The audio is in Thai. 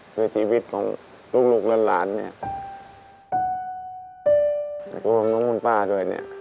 ก็คือชีวิตของลูกหลั่นเนี่ย